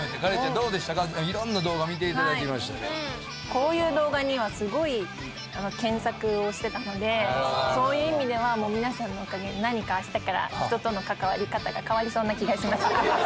こういう動画にはすごい検索をしてたのでそういう意味ではもう皆さんのおかげで何か明日から人との関わり方が変わりそうな気がしました。